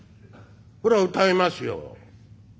「そら歌いますよ。